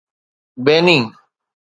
بيني